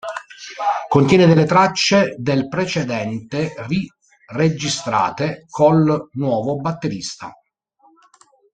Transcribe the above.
Contiene delle tracce del precedente ri-registrate col nuovo batterista.